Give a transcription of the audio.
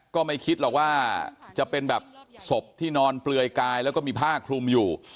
ก็ไม่คิดหรอกว่าจะเป็นแบบศพที่นอนเปลือยกายแล้วก็มีผ้าคลุมอยู่